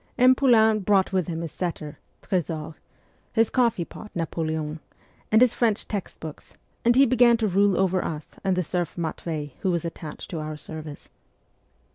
M. Poulain brought with him his setter, Tresor, his coffee pot Napoleon, and his French text books, and he began to rule over us and the serf Matvei who was attached to our service.